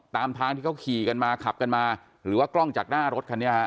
ตามทางที่เขาขี่กันมาขับกันมาหรือว่ากล้องจากหน้ารถคันนี้ฮะ